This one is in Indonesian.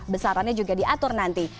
besarannya juga diatur nanti